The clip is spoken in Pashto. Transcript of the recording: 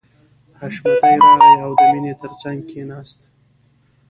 حشمتي راغی او د مینې تر څنګ کښېناست